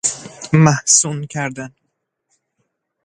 محصون کردن